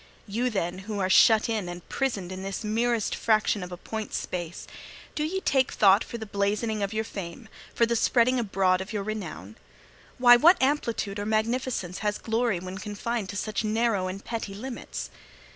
You, then, who are shut in and prisoned in this merest fraction of a point's space, do ye take thought for the blazoning of your fame, for the spreading abroad of your renown? Why, what amplitude or magnificence has glory when confined to such narrow and petty limits?